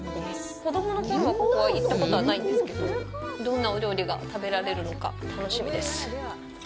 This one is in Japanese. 子供のころはここは行ったことはないんですけどどんなお料理が食べられるのか楽しみです。